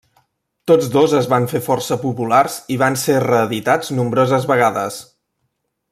Tots dos es van fer força populars i van ser reeditats nombroses vegades.